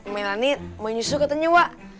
melani mau nyusul katanya mbak